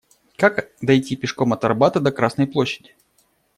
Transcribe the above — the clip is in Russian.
Как дойти пешком от Арбата до Красной Площади?